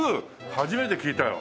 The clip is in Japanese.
初めて聞いたよ。